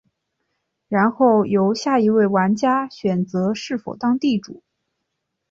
然后由下一位玩家选择是否当地主。